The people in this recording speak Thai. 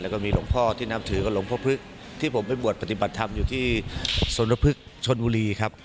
แล้วก็มีหลวงพ่อที่นับถือกับหลวงพ่อพึกที่ผมไปบวชปฏิบัติธรรมอยู่ที่สนพฤกษ์ชนบุรีครับ